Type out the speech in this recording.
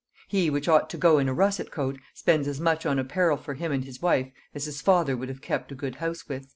He which ought to go in a russet coat, spends as much on apparel for him and his wife, as his father would have kept a good house with."